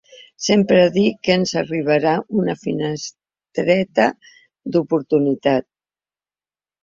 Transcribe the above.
Sempre dic que ens arribarà una finestreta d’oportunitat.